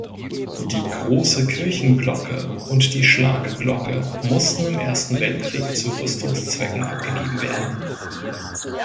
Die große Kirchenglocke und die Schlagglocke mussten im Ersten Weltkrieg zu Rüstungszwecken abgegeben werden.